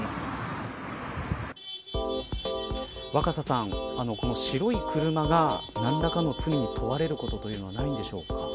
若狭さん、この白い車が何らかの罪に問われることというのはないでしょうか。